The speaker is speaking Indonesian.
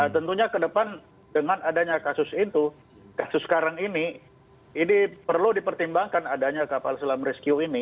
tentunya ke depan dengan adanya kasus itu kasus sekarang ini ini perlu dipertimbangkan adanya kapal selam rescue ini